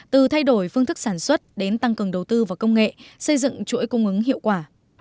từ thay đổi phương thức sản xuất đến tăng cường đầu tư và công nghệ xây dựng chuỗi cung ứng hiệu quả